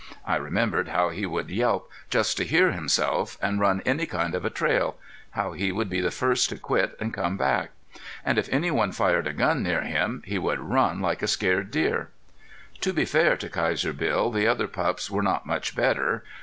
I remembered how he would yelp just to hear himself and run any kind of a trail how he would be the first to quit and come back. And if any one fired a gun near him he would run like a scared deer. To be fair to Kaiser Bill the other pups were not much better.